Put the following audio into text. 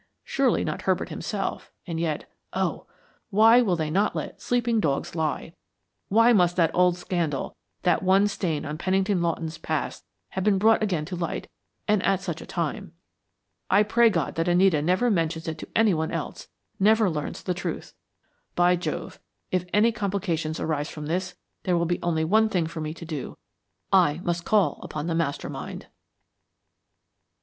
Surely not Herbert himself, and yet oh! why will they not let sleeping dogs lie; why must that old scandal, that one stain on Pennington Lawton's past have been brought again to light, and at such a time? I pray God that Anita never mentions it to anyone else, never learns the truth. By Jove, if any complications arise from this, there will be only one thing for me to do. I must call upon the Master Mind."